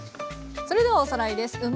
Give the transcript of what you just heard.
それではおさらいです。